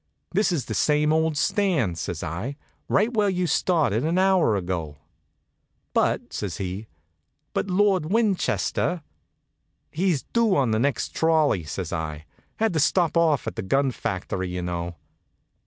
"This is the same old stand," says I, "right where you started an hour ago." "But," says he "but Lord Winchester?" "He's due on the next trolley," says I. "Had to stop off at the gun factory, you know."